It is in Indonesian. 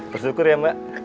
terima kasih mbak